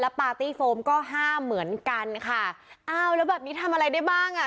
ปาร์ตี้โฟมก็ห้ามเหมือนกันค่ะอ้าวแล้วแบบนี้ทำอะไรได้บ้างอ่ะ